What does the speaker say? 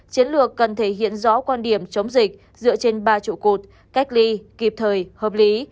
chiến lược cần thể hiện rõ quan điểm chống dịch dựa trên ba trụ cột cách ly kịp thời hợp lý